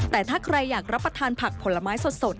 แต่ถ้าใครอยากรับประทานผักผลไม้สด